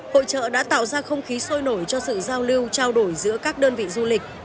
hội trợ đã tạo ra không khí sôi nổi cho sự giao lưu trao đổi giữa các đơn vị du lịch